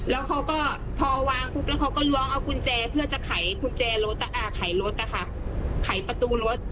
แล้วเขาก็พอวางปุ๊บแล้วเขาก็ล้วงเอากุญแจเพื่อจะไขกุญแจรถไขรถนะคะไขประตูรถ